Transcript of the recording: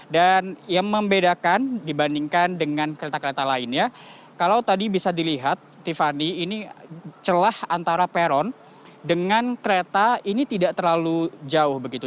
dan yang membedakan dibandingkan dengan kereta kereta lainnya kalau tadi bisa dilihat tiffany ini celah antara peron dengan kereta ini tidak terlalu jauh begitu